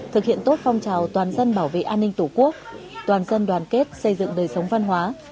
thực hiện tốt phong trào toàn dân bảo vệ an ninh tổ quốc toàn dân đoàn kết xây dựng đời sống văn hóa